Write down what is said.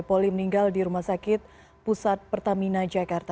poli meninggal di rumah sakit pusat pertamina jakarta